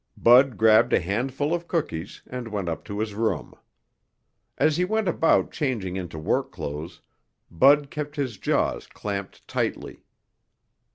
Bud grabbed a handful of cookies and went up to his room. As he went about changing into work clothes, Bud kept his jaws clamped tightly.